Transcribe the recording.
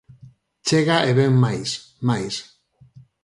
Chega e vén máis, máis.